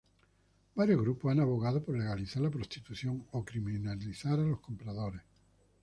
Varios grupos han abogado por legalizar la prostitución, o criminalizar a los compradores.